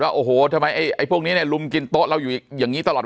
โอ้โหทำไมไอ้พวกนี้เนี่ยลุมกินโต๊ะเราอยู่อย่างนี้ตลอด